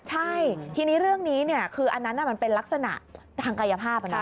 ใช่ทีนี้เรื่องนี้คืออันนั้นมันเป็นลักษณะทางกายภาพนะ